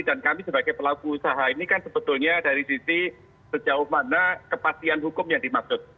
dan kami sebagai pelaku usaha ini kan sebetulnya dari sisi sejauh mana kepastian hukum yang dimaksud